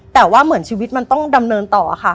แต่ว่าเหมือนชีวิตมันต้องดำเนินต่อค่ะ